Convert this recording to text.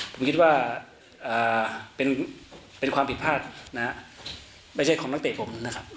ผมคิดว่าเป็นความผิดพลาดนะฮะไม่ใช่ของนักเตะผมนะครับ